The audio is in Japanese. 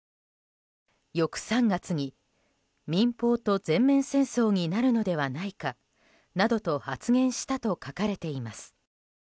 翌３月に、民放と全面戦争になるのではないかなどと発言したと書かれています。